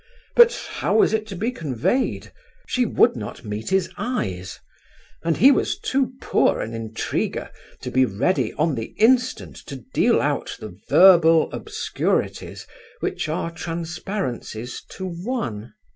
But how was it to be conveyed? She would not meet his eyes, and he was too poor an intriguer to be ready on the instant to deal out the verbal obscurities which are transparencies to one.